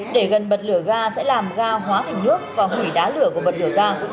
để gần bật lửa ga sẽ làm ga hóa thành nước và hủy đá lửa của vật lửa ga